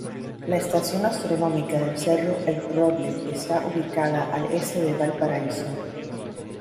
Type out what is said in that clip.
La estación astronómica del cerro El Roble, está ubicada al este de Valparaíso.